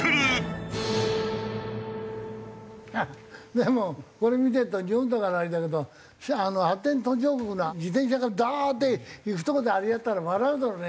でもこれ見てると日本だからあれだけど発展途上国の自転車がダーッて行くとこであれやったら笑うだろうね。